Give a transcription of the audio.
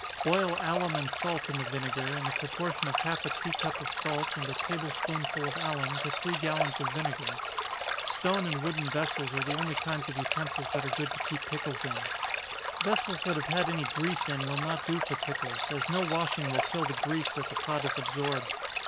Boil alum and salt in the vinegar, in the proportion of half a tea cup of salt, and a table spoonful of alum, to three gallons of vinegar. Stone and wooden vessels are the only kinds of utensils that are good to keep pickles in. Vessels that have had any grease in will not do for pickles, as no washing will kill the grease that the pot has absorbed.